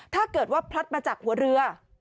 ถ้าเกิดว่าพลัดมาจากหัวเรือ